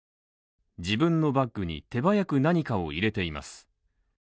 自分のバッグに手早く何かを入れています。